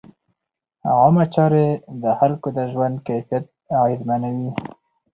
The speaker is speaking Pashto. عامه چارې د خلکو د ژوند کیفیت اغېزمنوي.